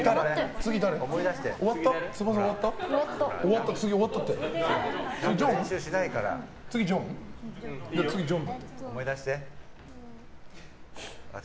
次、ジョン？